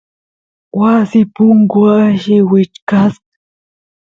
wasi punku alli wichkasq